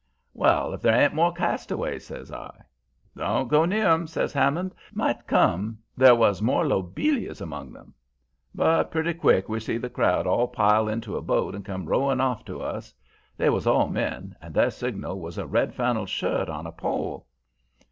"'Well, if there ain't more castaways!' says I. "'Don't go near 'em!' says Hammond. 'Might come there was more Lobelias among 'em.' "But pretty quick we see the crowd all pile into a boat and come rowing off to us. They was all men, and their signal was a red flannel shirt on a pole.